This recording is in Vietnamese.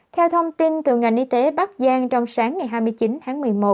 theo thông tin từ ngành y tế bắc giang trong sáng ngày hai mươi chín tháng một mươi một